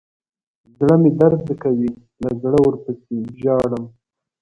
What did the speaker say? زړه مې درد کوي له زړه ورپسې ژاړم.